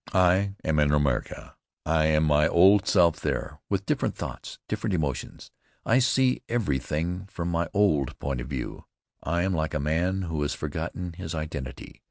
I am in America. I am my old self there, with different thoughts, different emotions. I see everything from my old point of view. I am like a man who has forgotten his identity.